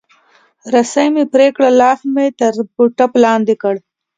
رسۍ مې پرې کړه، لاس مې تر ټاټ لاندې کړ.